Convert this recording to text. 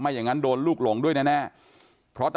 จนกระทั่งหลานชายที่ชื่อสิทธิชัยมั่นคงอายุ๒๙เนี่ยรู้ว่าแม่กลับบ้าน